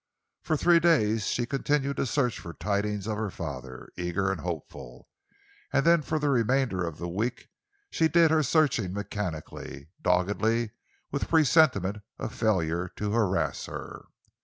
For three days she continued her search for tidings of her father, eager and hopeful; and then for the remainder of the week she did her searching mechanically, doggedly, with a presentiment of failure to harass her.